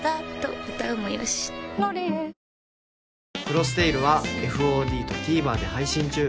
［『クロステイル』はＦＯＤとＴＶｅｒで配信中］